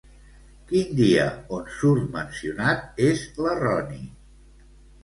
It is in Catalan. Quin dia on surt mencionat és l'erroni?